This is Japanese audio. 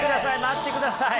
待ってください！